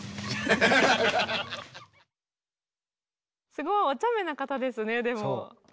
すごいおちゃめな方ですねでも。